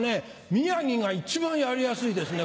宮城が一番やりやすいですね。